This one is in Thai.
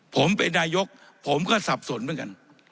ผมเป็นนายกผมก็สับสนเหมือนกัน